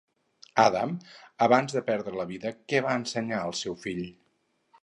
Adam, abans de perdre la vida, què va ensenyar al seu fill?